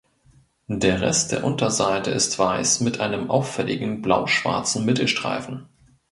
Der Rest der Unterseite ist weiß mit einem auffälligen blauschwarzen Mittelstreifen.